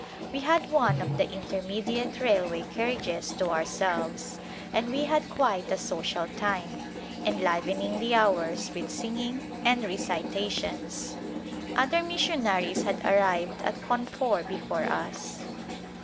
We had one of the intermediate railway carriages to ourselves and we had quite a social time, enlivening the hours with singing and recitations. Other missionaries had ar rived at Cawnpore before us.